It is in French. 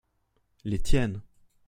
les tiennes.